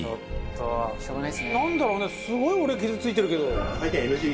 「なんだろうねすごい俺傷ついてるけど」